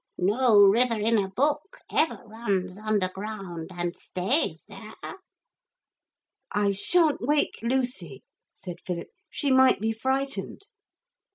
No river in a book ever runs underground and stays there.' 'I shan't wake Lucy,' said Philip; 'she might be frightened.'